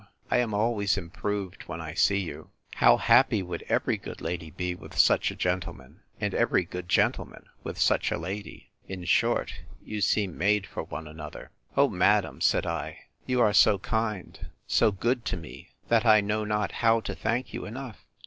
I am always improved when I see you. How happy would every good lady be with such a gentleman, and every good gentleman with such a lady!—In short, you seem made for one another. O madam, said I, you are so kind, so good to me, that I know not how to thank you enough!